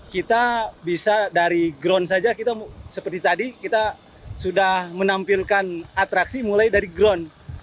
kita bisa dari ground saja kita seperti tadi kita sudah menampilkan atraksi mulai dari ground